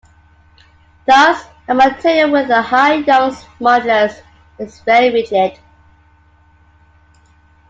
Thus, a material with a high Young's modulus is very rigid.